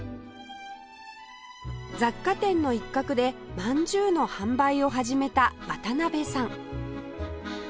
雑貨店の一角でまんじゅうの販売を始めた渡辺さん